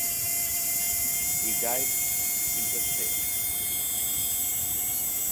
He died intestate.